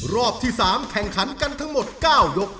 รอบที่๓แข่งขันกันทั้งหมด๙ยก